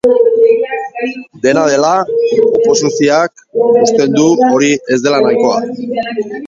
Dena dela, oposizioak uste du hori ez dela nahikoa.